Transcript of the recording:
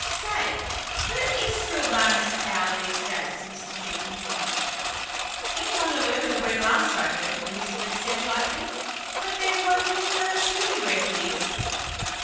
"Say, where is Sylvanus Power these days?" Mr. Fink enquired. "In Honolulu, when last I heard," Elizabeth replied lightly, "but then one never knows really where he is."